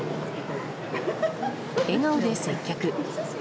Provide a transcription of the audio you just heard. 笑顔で接客。